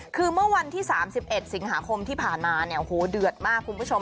คือเมื่อวันที่๓๑สิงหาคมที่ผ่านมาเนี่ยโอ้โหเดือดมากคุณผู้ชม